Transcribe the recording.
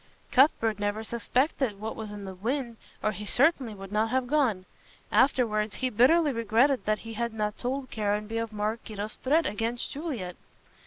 Cuthbert never suspected what was in the wind or he certainly would not have gone. Afterwards, he bitterly regretted that he had not told Caranby of Maraquito's threat against Juliet.